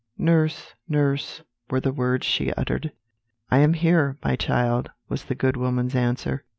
"'Nurse, nurse,' were the words she uttered. "'I am here, my child,' was the good woman's answer.